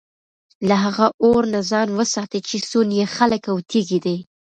له هغه اور نه ځان وساتئ چي سوند ئې خلك او تيږي دي